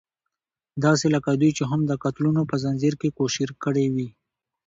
داسې لکه دوی چې هم د قتلونو په ځنځير کې کوشير کړې وي.